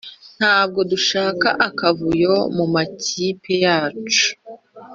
Ntabwo dushaka akavuyo mu makipe yacu